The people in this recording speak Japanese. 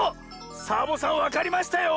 サボさんわかりましたよ！